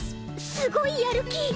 すごいやる気！